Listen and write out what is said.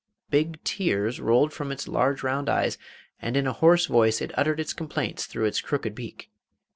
Big tears rolled from its large round eyes, and in a hoarse voice it uttered its complaints through its crooked beak.